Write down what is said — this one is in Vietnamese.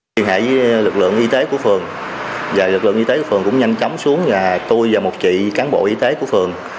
chuyên hệ với lực lượng y tế của phường lực lượng y tế của phường cũng nhanh chóng xuống là tôi và một chị cán bộ y tế của phường